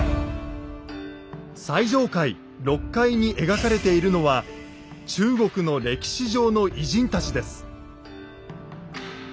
最上階６階に描かれているのは中国の歴史上の偉人たちです。